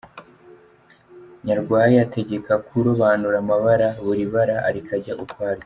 Nyarwaya ategeka kurobanura amabara, buri bara rikajya ukwaryo.